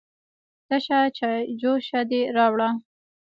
_تشه چايجوشه دې راوړه؟